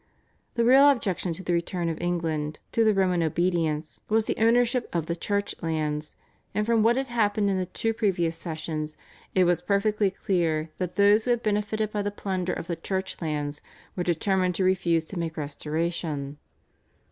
The real objection to the return of England to the Roman obedience was the ownership of the Church lands, and from what had happened in the two previous sessions it was perfectly clear that those who had benefited by the plunder of the Church lands were determined to refuse to make restoration.